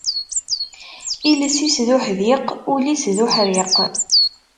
Iles-is d uḥdiq, ul is d uḥriq.